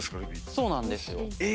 そうなんですよ。